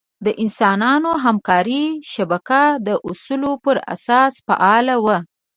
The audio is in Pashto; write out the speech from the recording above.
د انسانانو همکارۍ شبکه د اصولو پر اساس فعاله وه.